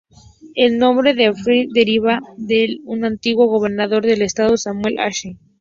El nombre de Asheville deriva del de un antiguo gobernador del estado, Samuel Ashe.